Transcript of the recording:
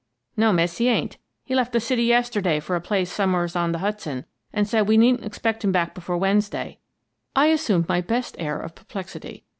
" No, miss, he ain't. He left the city yesterday for a place some'rs on th' Hudson, an* said we needn't expect him back before Wednesday." I assumed my best air of perplexity.